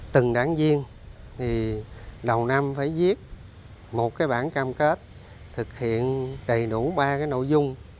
từng đảng viên thì đầu năm phải viết một cái bản cam kết thực hiện đầy đủ ba cái nội dung